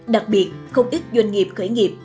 đặc biệt không ít doanh nghiệp khởi nghiệp